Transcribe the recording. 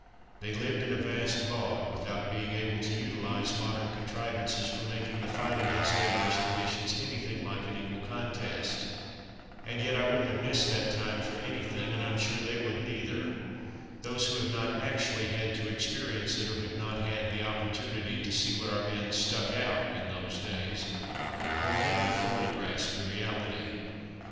They lived in a vast bog, without being able to utilize modern contrivances for making the tight against adverse conditions anything like an equal contest. And yet I wouldn't have missed that time for anything, and I'm sure they wouldn't either. Those who have not actually had to experience it, or have not had the opportunity to see what our men "stuck out" in those days, will never fully grasp the reality.